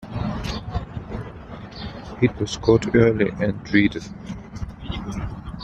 It was caught early and treated.